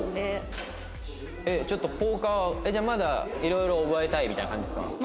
えっちょっとポーカーじゃあまだいろいろ覚えたいみたいな感じですか？